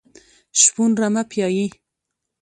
شپون رمه پیایي .